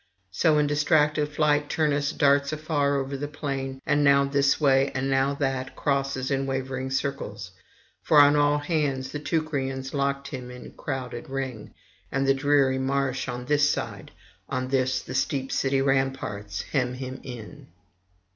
So in distracted flight Turnus darts afar over the plain, and now this way and now that crosses in wavering circles; for on all hands the Teucrians locked him in crowded ring, and the dreary marsh on this side, on this the steep city ramparts hem him in.